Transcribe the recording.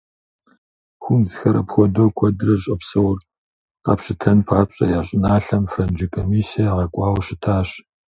Хунзхэр апхуэдэу куэдрэ щӏэпсэур къапщытэн папщӏэ, я щӏыналъэм франджы комиссэ ягъэкӏуауэ щытащ.